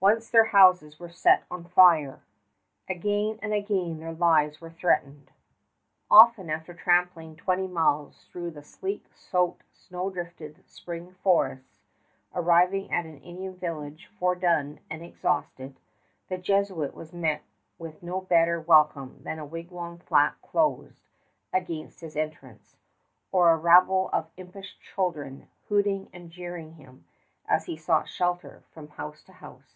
Once their houses were set on fire. Again and again their lives were threatened. Often after tramping twenty miles through the sleet soaked, snow drifted spring forests, arriving at an Indian village foredone and exhausted, the Jesuit was met with no better welcome than a wigwam flap closed against his entrance, or a rabble of impish children hooting and jeering him as he sought shelter from house to house.